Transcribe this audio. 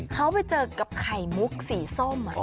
เขาไปเจอกับไข่มุกสีส้ม